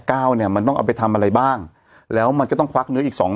เนี่ยมันต้องเอาไปทำอะไรบ้างแล้วมันก็ต้องควักเนื้ออีกสอง